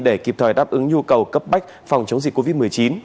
để kịp thời đáp ứng nhu cầu cấp bách phòng chống dịch covid một mươi chín